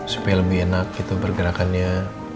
supaya lebih enak gitu pergerakannya